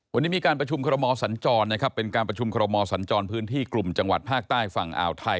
วันนี้มีการประชุมคอรมอสัญจรนะครับเป็นการประชุมคอรมอสัญจรพื้นที่กลุ่มจังหวัดภาคใต้ฝั่งอ่าวไทย